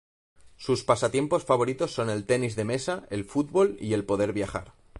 Sus pasatiempos favoritos son el tenis de mesa, el fútbol y el poder viajar.